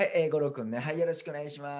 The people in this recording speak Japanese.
君ねはいよろしくお願いします。